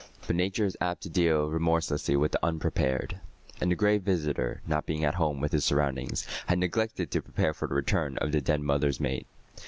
But Nature is apt to deal remorselessly with the unprepared. And the Gray Visitor, not being at home with his surroundings, had neglected to prepare for the return of the dead mother's mate.